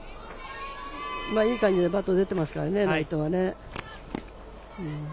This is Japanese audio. いい感じでバットが出ていますからね、内藤はね。